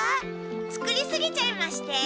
作りすぎちゃいまして。